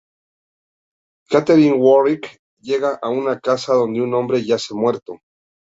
Catherine y Warrick llegan a una casa donde un hombre yace muerto.